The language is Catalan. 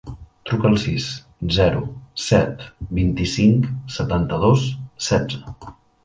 Truca al sis, zero, set, vint-i-cinc, setanta-dos, setze.